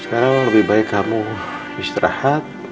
sekarang lebih baik kamu istirahat